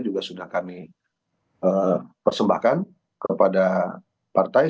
juga sudah kami persembahkan kepada partai